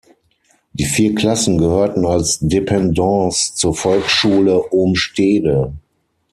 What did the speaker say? Die vier Klassen gehörten als Dependance zur Volksschule Ohmstede.